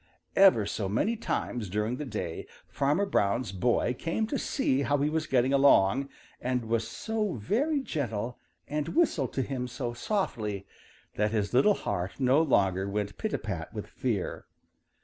Ever so many times during the day Farmer Brown's boy came to see how he was getting along, and was so very gentle and whistled to him so softly that his little heart no longer went pita pat with fear.